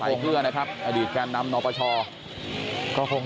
เป็นรถเคลื่อนขบวนน่าจะมาจากวัดจัดประสงค์